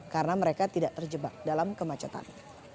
karena mereka tidak terjebak dalam kemacetan